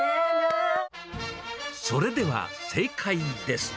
それでは、正解です。